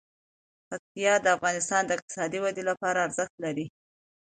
پکتیا د افغانستان د اقتصادي ودې لپاره ارزښت لري.